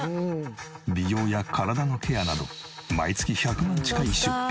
美容や体のケアなど毎月１００万近い出費。